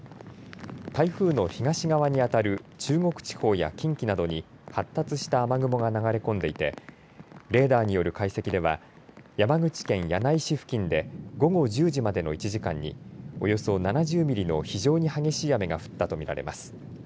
台風の東側にあたる中国地方や近畿などに発達した雨雲が流れ込んでいてレーダーによる解析では山口県柳井市付近で午後１０時までの１時間におよそ７０ミリの非常に激しい雨が降ったとみられます。